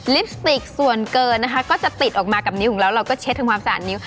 ลิปสติกส่วนเกินนะคะก็จะติดออกมากับนิ้วของเราเราก็เช็ดทำความสะอาดนิ้วค่ะ